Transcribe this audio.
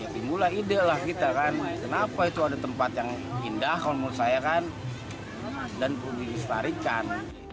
dimulai ide lah kita kan kenapa itu ada tempat yang indah kalau menurut saya kan dan perlu distarikan